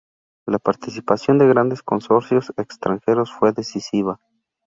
La participación de grandes consorcios extranjeros fue decisiva.